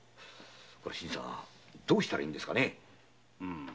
新さんどうしたらいいですかね？